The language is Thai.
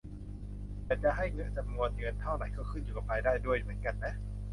แต่จะให้จำนวนเงินเท่าไรก็ขึ้นอยู่กับรายได้ด้วยเหมือนกันนะ